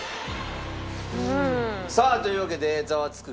さあというわけでザワつく！